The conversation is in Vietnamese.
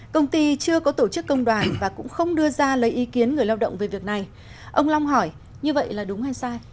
công ty chưa có tổ chức công đoàn và cũng không đưa ra lấy ý kiến người lao động về việc này ông long hỏi như vậy là đúng hay sai